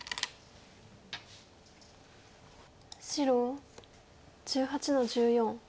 白１８の十四。